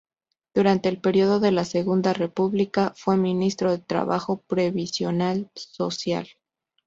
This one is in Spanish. Durante el periodo de la Segunda República fue Ministro de Trabajo y Previsión Social.